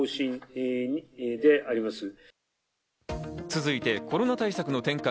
続いてコロナ対策の転換